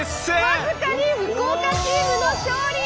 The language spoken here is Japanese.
僅かに福岡チームの勝利！